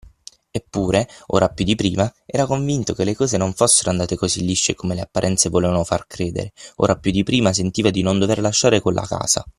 eppure, ora più di prima, era convinto che le cose non fossero andate così lisce come le apparenze volevano far credere, ora più di prima sentiva di non dover lasciare quella casa.